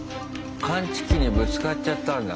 感知器にぶつかっちゃったんだ。